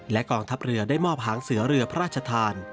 กองทัพเรือได้มอบหางเสือเรือพระราชทาน